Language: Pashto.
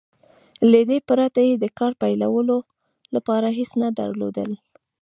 له دې پرته يې د کار پيلولو لپاره هېڅ نه درلودل.